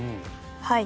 はい。